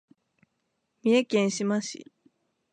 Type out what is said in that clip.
三重県志摩市